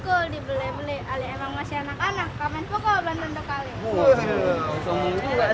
komen pokok banten untuk kali